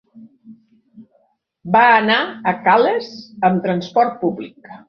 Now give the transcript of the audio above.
Va anar a Calles amb transport públic.